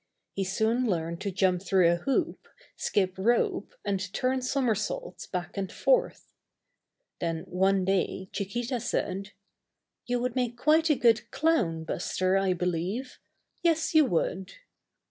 He soon learned to jump through a hoop, skip rope, and turn somersaults back and forth. Then one day, Chiquita said: '^You would make a good clown, Buster, I believe. Yes, you would."